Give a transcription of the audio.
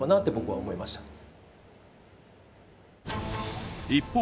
僕は思いました